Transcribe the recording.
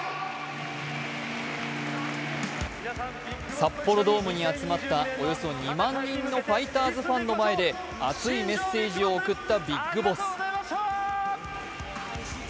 札幌ドームに集まったおよそ２万人のファイターズファンの前で熱いメッセージを送ったビッグボス。